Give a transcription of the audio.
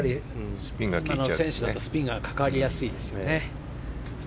あの選手だとスピンがかかりやすいですね。